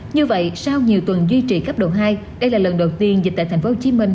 như vậy sau nhiều tuần duy trì cấp độ hai đây là lần đầu tiên dịch tại thành phố hồ chí minh